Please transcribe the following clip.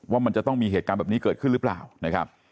ว่ามันจะต้องมีเหตุการณ์แบบนี้เกิดขึ้นหรือเปล่านะครับ